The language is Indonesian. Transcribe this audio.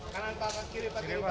kanan kapan kiri perkeli